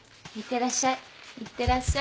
いってらっしゃい。